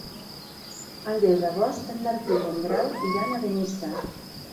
El deu d'agost en Martí i en Grau iran a Benissa.